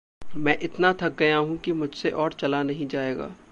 मैं इतना थक गया हूँ कि मुझसे और चला नहीं जाएगा।